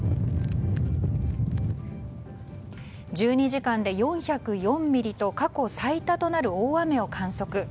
１２時間で４０４ミリと過去最多となる大雨を観測。